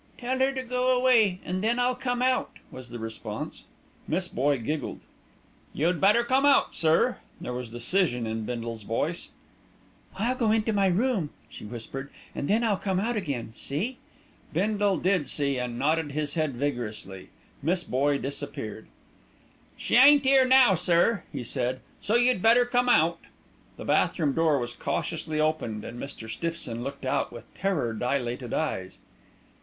"Tell her to go away, and then I'll come out," was the response. Miss Boye giggled. "You'd better come out, sir." There was decision in Bindle's voice. "I'll go into my room," she whispered, "and then I'll come out again, see?" Bindle did see, and nodded his head vigorously. Miss Boye disappeared. "She ain't 'ere now, sir," he said, "so you'd better come out." The bathroom door was cautiously opened, and Mr. Stiffson looked out with terror dilated eyes.